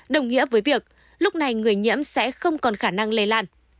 đồng nghĩa với việc lúc này người nhiễm sẽ không còn khả năng lây lan